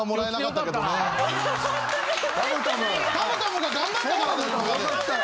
・・たむたむが頑張ったからだよ